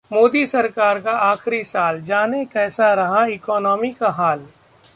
मोदी सरकार का आखिरी साल, जानें कैसा रहा इकोनॉमी का हाल